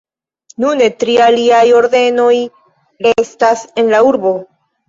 Nune tri aliaj ordenoj restas en la urbo.